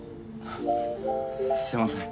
すみません。